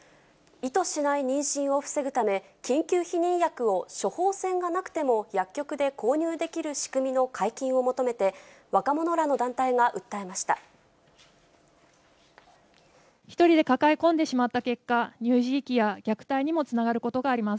意図しない妊娠を防ぐため、緊急避妊薬を処方箋がなくても薬局で購入できる仕組みの解禁を求一人で抱え込んでしまった結果、乳児遺棄や虐待にもつながることがあります。